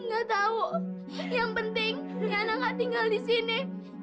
nggak tahu yang penting yana nggak tinggal di sini